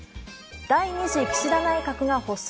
第２次岸田内閣が発足。